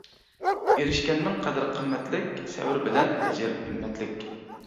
ئېرىشكەننىڭ قەدرى قىممەتلىك، سەۋر بىلەن ئەجىر ھىممەتلىك.